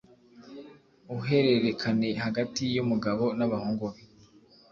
uhererekane hagati y'umugabo n'abahungu be